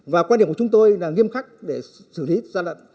và quan điểm của chúng tôi là nghiêm khắc để xử lý gian lận